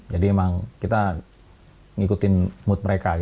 jadi emang kita ngikutin mood mereka